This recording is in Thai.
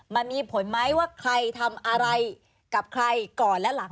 มันมีผลไหมว่าใครทำอะไรกับใครก่อนและหลัง